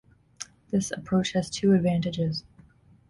This approach has two advantages.